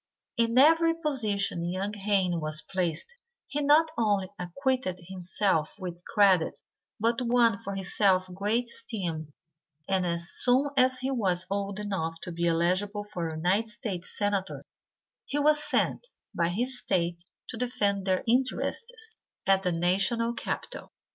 In every position young Haynes was placed he not only acquitted himself with credit but won for himself great esteem, and as soon as he was old enough to be elligible for United States Senator he was sent by his State to defend their interests at the national capitol.